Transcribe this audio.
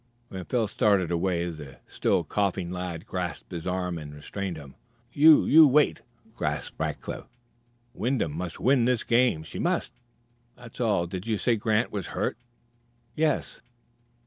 When Phil started away the still coughing lad grasped his arm and restrained him. "You you wait!" gasped Rackliff. "Wyndham must win this game she just must, that's all. Did you say Grant was hurt?" "Yes."